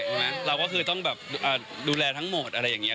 ใช่ไหมเนี้ยเราก็คือต้องแบบเอ่อดูแลทั้งหมดอะไรอย่างเงี้ย